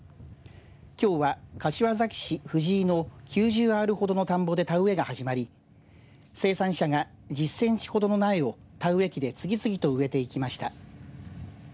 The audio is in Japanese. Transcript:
きょうは、柏崎市藤井の９０アールほどの田んぼで田植えが始まり生産者が１０センチほどの苗を田植え機で次々と植えていきました。